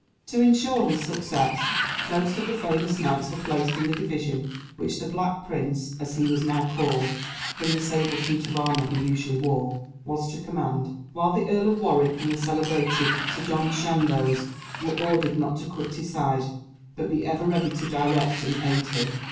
To insure his success, most of the famous knights were placed in the division which the Black Prince (as he was now called, from the sable suit of armor he usually wore) was to command; while the Earl of Warwick and the celebrated Sir John Chandos were ordered not to quit his side, but be ever ready to direct and aid him.